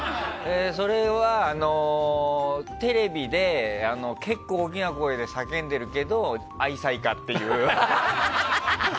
それはテレビで結構、大きな声で叫んでるけど愛妻家っていう。